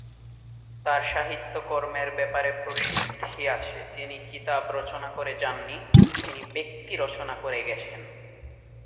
তার সাহিত্য কর্মের ব্যাপারে প্রসিদ্ধি আছে, তিনি কিতাব রচনা করে যাননি; তিনি ব্যক্তি রচনা করে গেছেন।